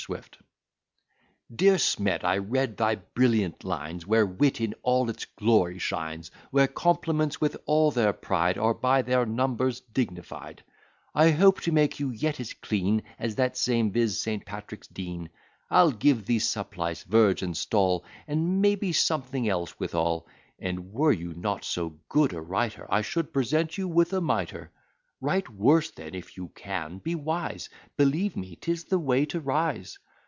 SWIFT Dear Smed, I read thy brilliant lines, Where wit in all its glory shines; Where compliments, with all their pride, Are by their numbers dignified: I hope to make you yet as clean As that same Viz, St. Patrick's dean. I'll give thee surplice, verge, and stall, And may be something else withal; And, were you not so good a writer, I should present you with a mitre. Write worse, then, if you can be wise Believe me, 'tis the way to rise.